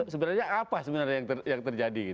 sebenarnya apa yang terjadi